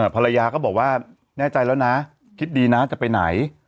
ภรรยาก็บอกว่าแน่ใจแล้วนะคิดดีนะจะไปไหน